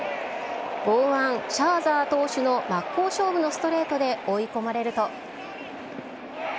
剛腕、シャーザー投手の真っ向勝負のストレートで追い込まれると。